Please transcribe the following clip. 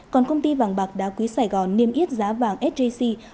còn công ty vàng bạc đá quý sài gòn niêm yết giá vàng sjc